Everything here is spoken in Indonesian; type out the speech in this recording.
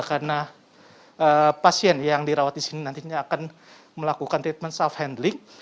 karena pasien yang dirawat disini nantinya akan melakukan treatment self handling